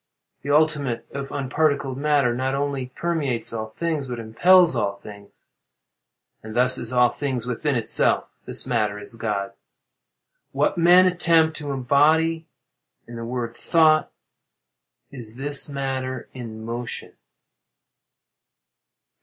The ultimate, or unparticled matter, not only permeates all things but impels all things; and thus is all things within itself. This matter is God. What men attempt to embody in the word "thought," is this matter in motion.